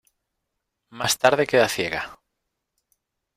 Más tarde queda ciega.